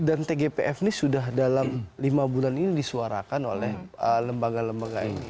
dan tgpf ini sudah dalam lima bulan ini disuarakan oleh lembaga lembaga ini